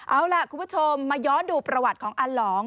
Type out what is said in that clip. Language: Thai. เอาล่ะคุณผู้ชมมาย้อนดูประวัติของอาหลอง